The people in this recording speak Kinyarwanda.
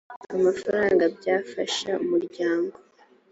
amafaranga byafasha umuryango